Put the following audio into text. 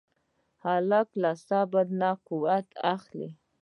هلک له صبر نه قوت اخلي.